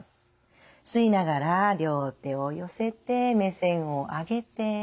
吸いながら両手を寄せて目線を上げて。